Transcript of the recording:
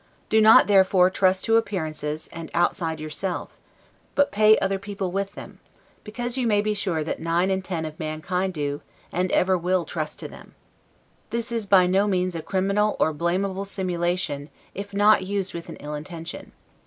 Do not therefore trust to appearances and outside yourself, but pay other people with them; because you may be sure that nine in ten of mankind do, and ever will trust to them. This is by no means a criminal or blamable simulation, if not used with an ill intention.